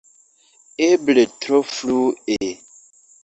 Eble tro frue!